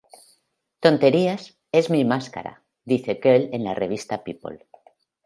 Tonterías "es mi máscara", dice Quale en la revista"People".